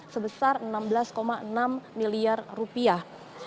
sebesar enam belas enam miliar rupiah